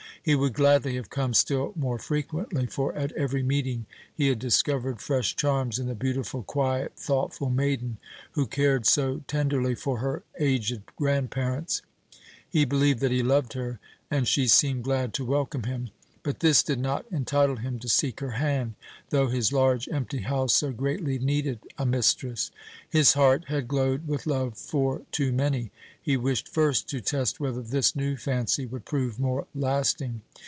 He would gladly have come still more frequently, for at every meeting he had discovered fresh charms in the beautiful, quiet, thoughtful maiden, who cared so tenderly for her aged grandparents. He believed that he loved her, and she seemed glad to welcome him. But this did not entitle him to seek her hand, though his large, empty house so greatly needed a mistress. His heart had glowed with love for too many. He wished first to test whether this new fancy would prove more lasting.